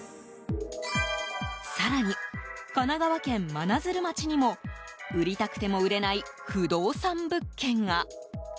更に、神奈川県真鶴町にも売りたくても売れない負動産物件が。